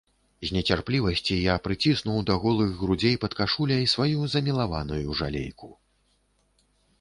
З нецярплівасці я прыціснуў да голых грудзей пад кашуляй сваю замілаваную жалейку.